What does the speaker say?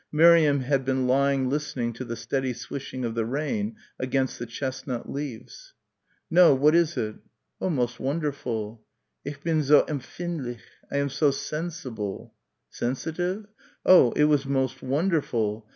Miriam had been lying listening to the steady swishing of the rain against the chestnut leaves. "No; what is it?" "Oh, most wonderful. Ich bin so empfindlich. I am so sensible." "Sensitive?" "Oh, it was most wonderful.